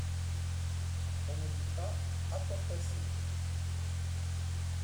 On ne dit pas apportasser.